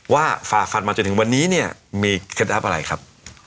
ฝ่าฟันมาจนถึงวันนี้เนี่ยมีเคล็ดลับอะไรครับ